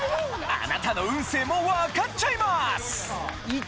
あなたの運勢もわかっちゃいます！